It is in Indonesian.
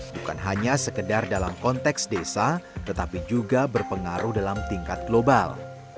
bukan hanya sekedar dalam konteks desa tetapi juga berpengaruh dalam tingkat global